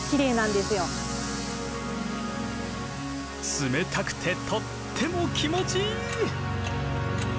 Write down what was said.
冷たくてとっても気持ちいい！